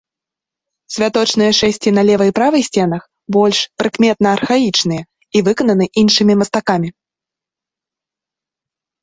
Святочныя шэсці на левай і правай сценах больш прыкметна архаічныя і выкананы іншымі мастакамі.